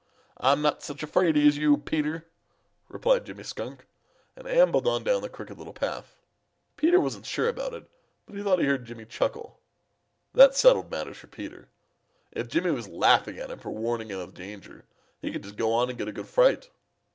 "I'm not such a fraidy as you, Peter," replied Jimmy Skunk, and ambled on down the Crooked Little Path. Peter wasn't sure about it, but he thought he heard Jimmy chuckle. That settled matters for Peter. If Jimmy was laughing at him for warning him of danger, he could just go on and get a good fright.